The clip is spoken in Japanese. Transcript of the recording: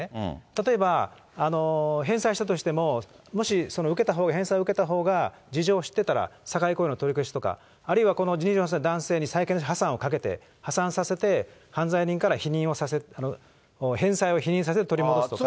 例えば返済したとしても、もし受けたほうが、返済を受けたほうが事情を知ってたら、取り消しとか、あるいはこの２４歳男性に債権破産をかけて、破産させて、犯罪人からひにんを、返済を否認させて取り戻すとか。